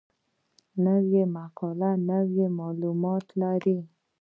نوې مقاله نوي معلومات لري